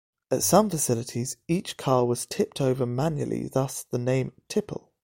At some facilities, each car was tipped over manually-thus the name, "tipple".